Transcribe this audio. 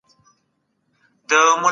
د کلتور د ساتني لپاره هلي ځلي کيږي.